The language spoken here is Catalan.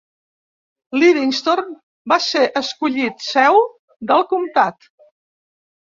Livingston va ser escollit seu del comtat.